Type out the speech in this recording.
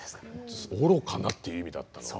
愚かなっていう意味だったのは。